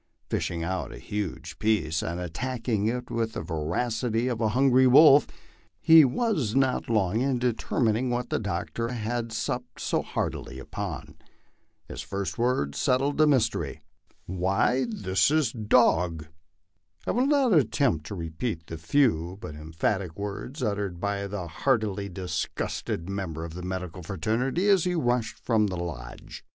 Fishing out a huge piece, and attacking it with the voracity of a hungry wolf, he was not long in determining what the doctor had slipped so heartily upon. His first words settled the mystery: "Why, this is dog." I will not attempt to repeat the few but emphatic words uttered by the heartily disgusted member of the medical fraternity as he rushed from the lodge.